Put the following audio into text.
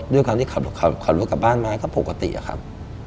ด้วยความที่ขับรถกลับบ้านมาก็ปกติอะครับ